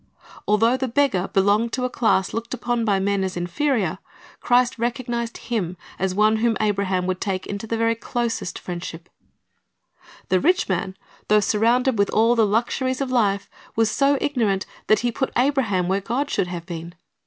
Although the beggar belonged to the class looked upon by men as inferior, Christ recognized him as one whom Abraham would take into the very closest friendship. 1 John 8 : 33 2 John 8 : 39, 40 "A Great Gulf Fixed" 269 The rich man, though surrounded with all the luxuries of life, was so ignorant that he put Abraham where God should hav'e been.